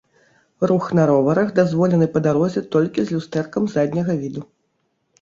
Рух на роварах дазволены па дарозе толькі з люстэркам задняга віду.